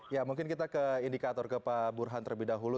ya mungkin kita ke indikator ke pak burhan terlebih dahulu